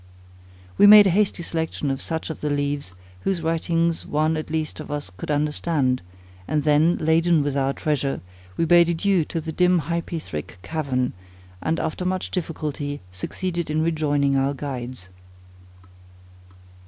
We made a hasty selection of such of the leaves, whose writing one at least of us could understand; and then, laden with our treasure, we bade adieu to the dim hypæthric cavern, and after much difficulty succeeded in rejoining our guides.